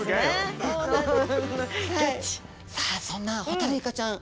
さあそんなホタルイカちゃん。